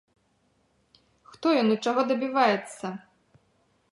Хто ён і чаго дабіваецца?